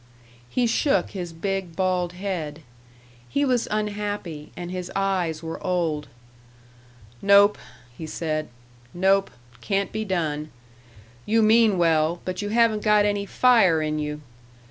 He shook his big, bald head. He was unhappy and his eyes were old. "Nope," he said; "nope. Can't be done. You mean well, but you haven't got any fire in you.